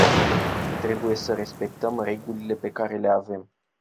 Trebuie să respectăm regulile pe care le avem.